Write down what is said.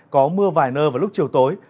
có mưa vài nơ vào lúc chiều tối